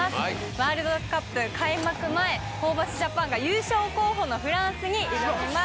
ワールドカップ開幕前ホーバスジャパンが優勝候補のフランスに挑みます。